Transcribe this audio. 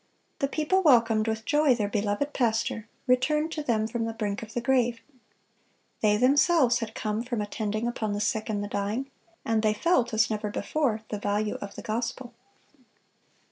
The people welcomed with joy their beloved pastor, returned to them from the brink of the grave. They themselves had come from attending upon the sick and the dying, and they felt, as never before, the value of the gospel.